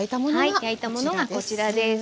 はい焼いたものがこちらです。